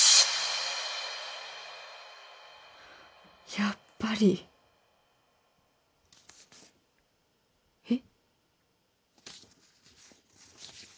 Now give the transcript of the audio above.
やっぱりえっ？